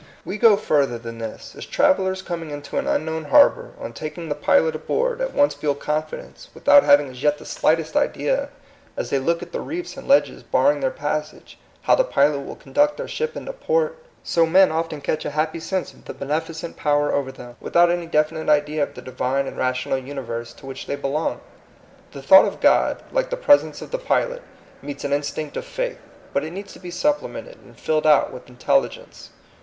We go further than this. As travellera coming into an unknown harbor, on taking the pilot aboard, at once feel confidence, without having as yet the slightest idea, 198 THE COMING PEOPLE. as they look at the reefs and ledges bar ring their passage, how the pilot will con duct their ship into port; so men often catch a happy sense of the beneficent Power over them, without any definite idea of the divine and rational universe to which they belong. The thought of God, like the presence of the pilot, meets an in stinct of faith; but it needs to be supple mented and filled out with intelligence.